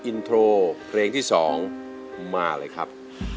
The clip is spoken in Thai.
อินโทรเพลงที่๒มาเลยครับ